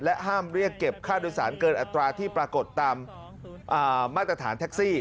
ห้ามเรียกเก็บค่าโดยสารเกินอัตราที่ปรากฏตามมาตรฐานแท็กซี่